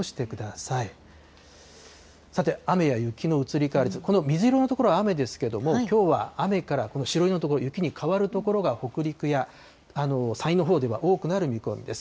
さて、雨や雪の移り変わり、この水色の所、雨ですけれども、きょうは雨からこの白色の所、雪に変わる所が北陸や山陰のほうでは多くなる見込みです。